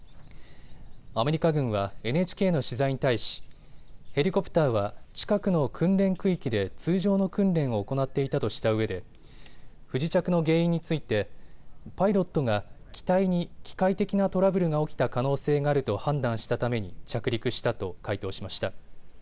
アメリカ軍はＮＨＫの取材に対しヘリコプターは近くの訓練区域で通常の訓練を行っていたとしたうえで不時着の原因についてパイロットが機体に機械的なトラブルが起きた可能性があると判断したために着陸したと回答しました。